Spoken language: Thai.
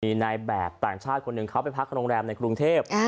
มีนายแบบต่างชาติคนหนึ่งเขาไปพักโรงแรมในกรุงเทพ